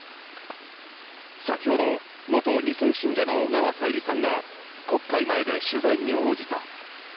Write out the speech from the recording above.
先ほど、元２世信者の小川さゆりさんが、国会前で取材に応じた。